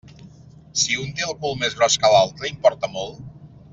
Si un té el cul més gros que l'altre, importa molt?